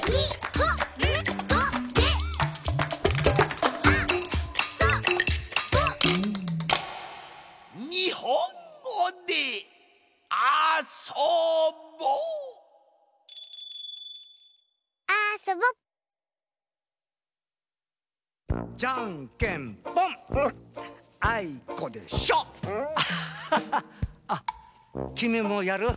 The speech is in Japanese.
ははっあっきみもやる？